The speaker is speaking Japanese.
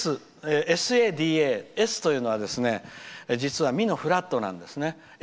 ＳＡＤＡＳというのはミのフラットなんですね。